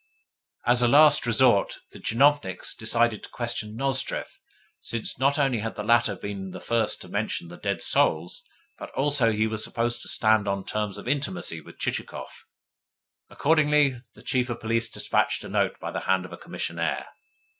As a last resort, the tchinovniks decided to question Nozdrev, since not only had the latter been the first to mention the dead souls, but also he was supposed to stand on terms of intimacy with Chichikov. Accordingly the Chief of Police dispatched a note by the hand of a commissionaire.